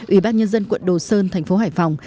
ủy ban nhân dân quận đồ sơn thành phố hải phòng